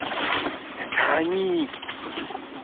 Это они.